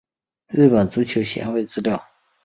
日本足球协会资料